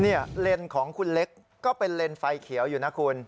เลนส์ของคุณเล็กก็เป็นเลนส์ไฟเขียวอยู่นะคุณ